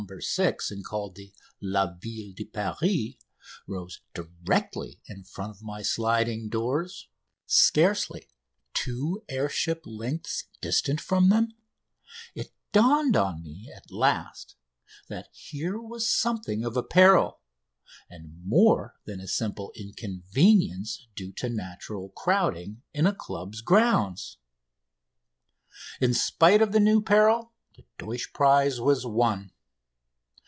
6," and called "La Ville de Paris," rose directly in front of my sliding doors, scarcely two air ships' lengths distant from them, it dawned on me at last that here was something of a peril, and more than a simple inconvenience due to natural crowding in a club's grounds. In spite of the new peril the Deutsch prize was won.